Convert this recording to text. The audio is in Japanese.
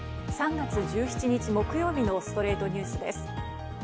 ３月１７日、木曜日の『ストレイトニュース』です。